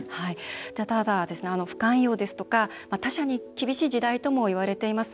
ただ、不寛容ですとか他者に厳しい時代ともいわれています。